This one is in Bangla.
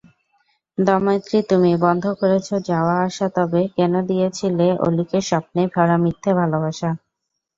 দময়িত্রী তুমি, বন্ধ করেছ যাওয়া-আসাতবে কেন দিয়েছিলেঅলীক স্বপ্নে ভরা মিথ্যে ভালোবাসা।